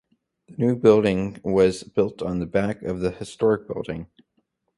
The new building was built on the back of the historic building.